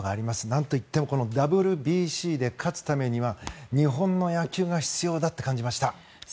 何といってもＷＢＣで勝つためには日本の野球が必要だと感じました。